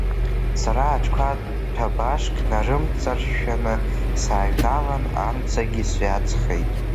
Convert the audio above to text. Сара аҽқәа ҭәабашк нарымҵаршәшәаны сааҩналан, амцагьы сҩаҵхеит.